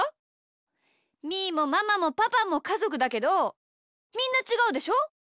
みーもママもパパもかぞくだけどみんなちがうでしょ？